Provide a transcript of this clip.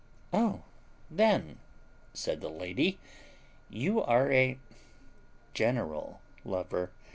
"Oh then," said the lady, "you are a general lover.